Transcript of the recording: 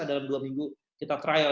dalam dua minggu kita trial